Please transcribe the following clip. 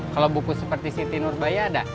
kalau buku seperti siti nurbaya ada